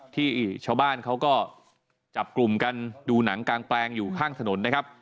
ที่ชาวบ้านเขาก็จับกลุ่มกันดูหนังกางแปลงอยู่ข้างถนนนะครับ